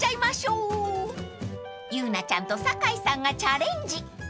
［祐奈ちゃんと坂井さんがチャレンジ］